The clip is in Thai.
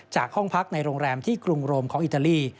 ห้องพักในโรงแรมที่กรุงโรมของอิตาลี